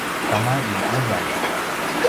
kama i uyan